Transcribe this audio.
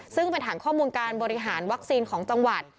ซึ่งเป็นฐานข้อมูลการบริหารวัคซีนของจังหวัด